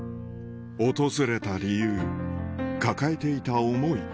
訪れた理由抱えていた思い